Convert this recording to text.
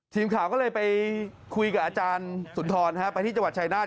ทีมข่าวก็เลยไปคุยกับอาจารย์สุนทรไปที่จังหวัดชายนาฏ